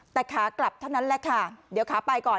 แต่ขากลับเท่านั้นแหละค่ะเดี๋ยวขาไปก่อน